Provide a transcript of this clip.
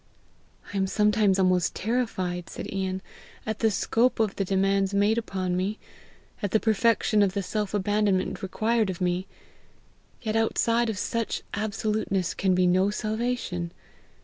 "I am sometimes almost terrified," said Ian, "at the scope of the demands made upon me, at the perfection of the self abandonment required of me; yet outside of such absoluteness can be no salvation.